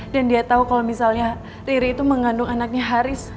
dan dia tahu kalau misalnya ri itu mengandung anaknya haris